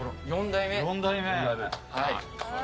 ４代目！